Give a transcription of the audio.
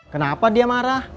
kenapa dia marah